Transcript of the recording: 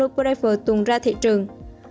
thuốc monoprever tuôn ra thị trường